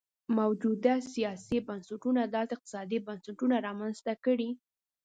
موجوده سیاسي بنسټونو داسې اقتصادي بنسټونه رامنځته کړي.